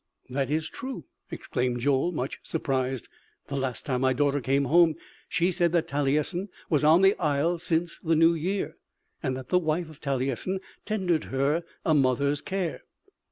"That is true!" exclaimed Joel much surprised. "The last time my daughter came home she said that Talyessin was on the isle since the new year, and that the wife of Talyessin tendered her a mother's care."